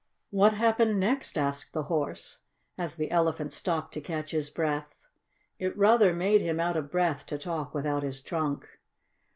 "What happened next?" asked the Horse, as the Elephant stopped to catch his breath. It rather made him out of breath to talk without his trunk.